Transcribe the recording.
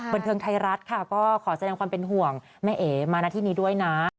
บันเทิงไทยรัฐค่ะก็ขอแสดงความเป็นห่วงแม่เอ๋มานะที่นี้ด้วยนะ